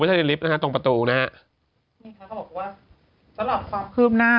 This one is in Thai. ในลิฟต์นะฮะตรงประตูนะฮะนี่เขาก็บอกว่าสำหรับความคืบหน้า